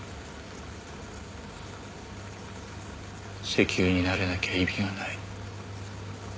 石油になれなきゃ意味がない。